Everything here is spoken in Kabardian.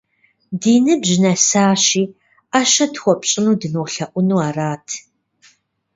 Ди ныбжь нэсащи, ӏэщэ тхуэпщӏыну дынолъэӏуну арат.